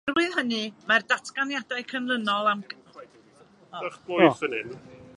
Oherwydd hynny, mae'r datganiadau canlynol am gyfranoldeb yn amcangyfrifon.